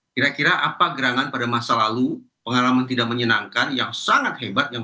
kira kira apa gerangan pada masa lalu pengalaman tidak menyenangkan yang sangat hebat yang